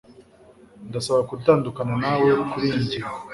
Ndasaba gutandukana nawe kuriyi ngingo.